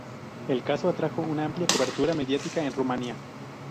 El caso atrajo una amplia cobertura mediática en Rumania.